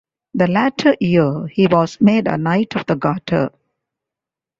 The latter year he was made a Knight of the Garter.